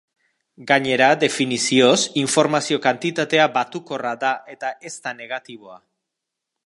Gainera, definizioz, informazio kantitatea batukorra da eta ez da negatiboa.